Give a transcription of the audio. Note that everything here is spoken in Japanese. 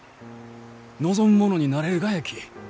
望む者になれるがやき。